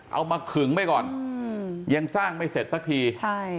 ขึงไปก่อนอืมยังสร้างไม่เสร็จสักทีใช่